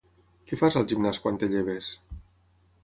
Què fas al gimnàs quan et lleves?